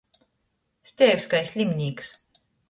Steivs kai sliminīks.